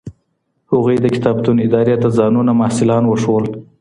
هغوی د کتابتون ادارې ته ځانونه محصلان وښودل.